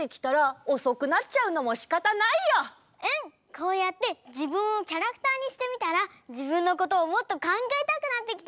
こうやって自分をキャラクターにしてみたら自分のことをもっと考えたくなってきた！